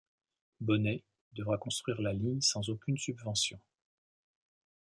Bonnet devra construire la ligne sans aucune subvention.